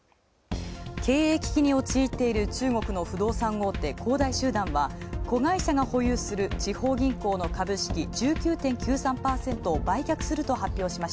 経営危機に陥っている中国の不動産大手、恒大集団は子会社が保有する地方銀行の株式、１９．９３％を売却すると発表。